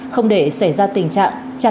không để xảy ra tình trạng chặt